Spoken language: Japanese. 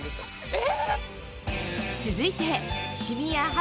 え